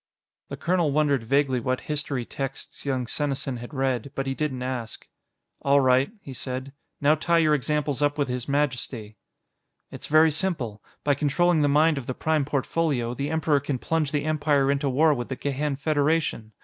The colonel wondered vaguely what history texts young Senesin had read, but he didn't ask. "All right," he said, "now tie your examples up with His Majesty." "It's very simple. By controlling the mind of the Prime Portfolio, the Emperor can plunge the Empire into war with the Gehan Federation.